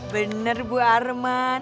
benar bu arman